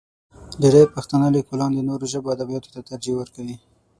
ډېری پښتانه لیکوالان د نورو ژبو ادبیاتو ته ترجیح ورکوي.